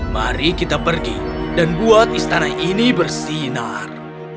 mari kita pergi dan buat istana ini bersinar